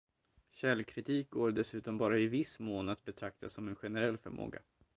Källkritik går dessutom bara i viss mån att betrakta som en generell förmåga.